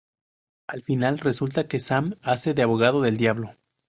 Al final resulta que Sam hace de abogado del diablo.